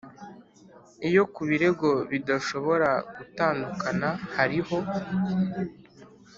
Iyo ku birego bidashobora gutandukana hariho